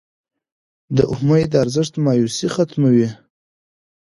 د امید ارزښت مایوسي ختموي.